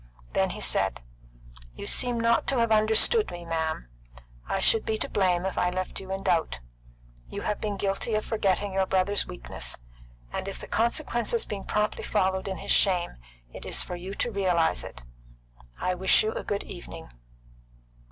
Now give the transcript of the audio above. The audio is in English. Then he said: "You seem not to have understood me, ma'am. I should be to blame if I left you in doubt. You have been guilty of forgetting your brother's weakness, and if the consequence has promptly followed in his shame, it is for you to realise it. I wish you a good evening."